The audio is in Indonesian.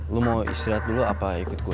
lo mau istirahat dulu apa ikut gue